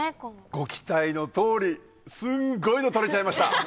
ご期待の通りすんごいの撮れちゃいました！